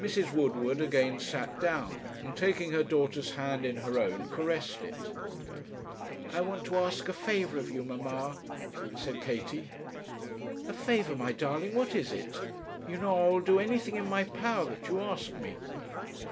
Mrs. Woodward again sat down, and taking her daughter's hand in her own, caressed it. 'I want to ask a favour of you, mamma,' said Katie. 'A favour, my darling! what is it? you know I will do anything in my power that you ask me.'